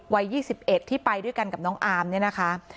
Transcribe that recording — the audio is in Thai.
วัย๒๑ที่ไปด้วยกันกับน้องอาร์มเนี่ยนะคะ